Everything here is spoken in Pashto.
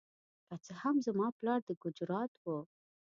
که څه هم زما پلار د ګجرات و.